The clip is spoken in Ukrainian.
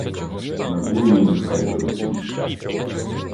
Набоїв нехай беруть більше.